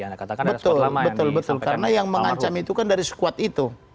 betul karena yang mengancam itu kan dari sekuat itu